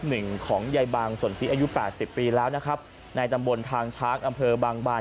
หนึ่งของยายบางส่วนที่อายุแปดสิบปีแล้วนะครับในตำบลทางช้างอำเภอบางบาน